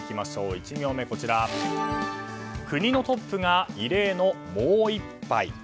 １行目、国のトップが異例のもう１杯。